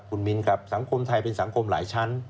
คุณมิ้นครับสังคมไทยเป็นสังคมหลายชั้น